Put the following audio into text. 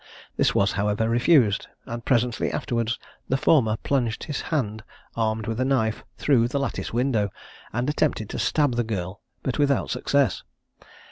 This was, however, refused, and presently afterwards the former plunged his hand, armed with a knife, through the lattice window, and attempted to stab the girl, but without success.